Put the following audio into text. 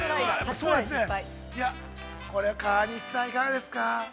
川西さん、いかがですか。